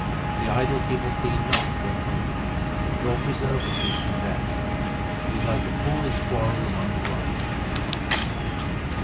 The idol giveth thee not when hungry, nor presenvth thee from death. It is like a foolish quarrel among the blind.